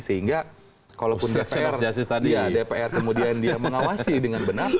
sehingga kalaupun dpr kemudian dia mengawasi dengan benar